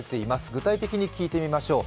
具体的に聞いてみましょう。